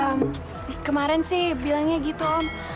ya kemarin sih bilangnya gitu om